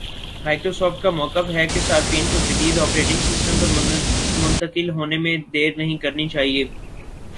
Microsoft کا مؤقف ہے کہ صارفین کو جدید آپریٹنگ سسٹم پر منتقل ہونے میں دیر نہیں کرنی چاہیے